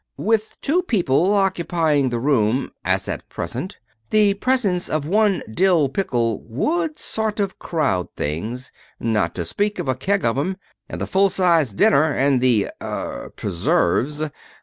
"With two people occupying the room, as at present, the presence of one dill pickle would sort of crowd things, not to speak of a keg of 'em, and the full sized dinner, and the er preserves.